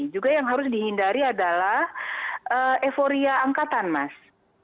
juga yang harus dihindari adalah euforia angkatan mas